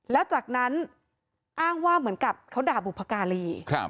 แล้วจากนั้นอ้างว่าเหมือนกับเขาด่าบุพการี